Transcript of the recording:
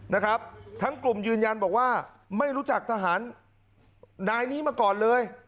นะครับทั้งกลุ่มยืนยันบอกว่าไม่รู้จักทหารนายนี้มาก่อนเลย